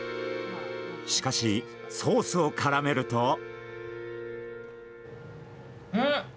しかし、ソースを絡めると。